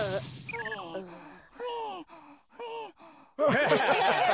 ハハハハ。